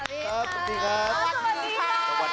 สวัสดีค่า